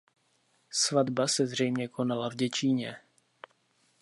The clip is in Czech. Svatba se zřejmě konala v Děčíně.